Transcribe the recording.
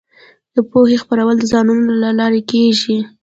د پوهې خپرول د ځوانانو له لارې کيږي.